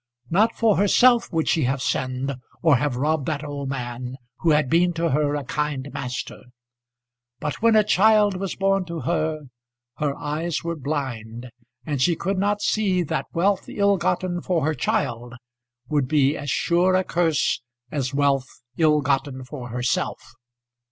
Not for herself would she have sinned, or have robbed that old man, who had been to her a kind master. But when a child was born to her, her eyes were blind, and she could not see that wealth ill gotten for her child would be as sure a curse as wealth ill gotten for herself.